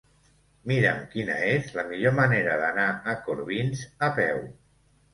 Mira'm quina és la millor manera d'anar a Corbins a peu.